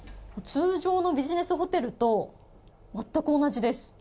通常のビジネスホテルと全く同じです。